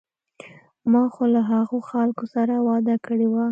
ما خو له هغو خلکو سره وعده کړې وه.